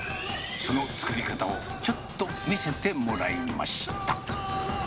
その作り方をちょっと見せてもらいました。